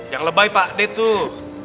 yang lebay pak deh tuh